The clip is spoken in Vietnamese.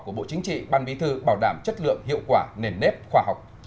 của bộ chính trị ban bí thư bảo đảm chất lượng hiệu quả nền nếp khoa học